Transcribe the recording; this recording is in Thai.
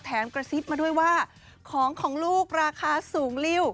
กระซิบมาด้วยว่าของของลูกราคาสูงริ้ว